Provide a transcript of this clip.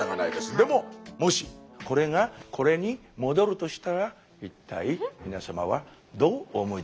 でももしこれがこれに戻るとしたら一体皆様はどうお思いでございましょう。